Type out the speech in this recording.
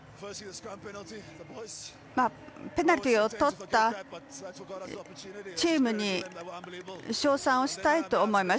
ペナルティーをとったチームに賞賛したいと思います。